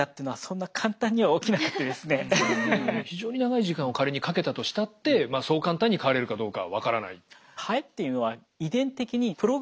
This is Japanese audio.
それが非常に長い時間を仮にかけたとしたってそう簡単に変われるかどうかは分からない？